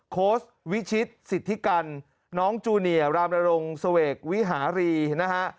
โค้ชวิชิตสิทธิกันน้องจูเนียรามนรงเสวกวิหารีนะฮะ